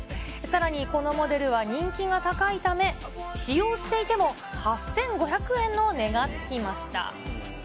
さらにこのモデルは人気が高いため、使用していても８５００円の値がつきました。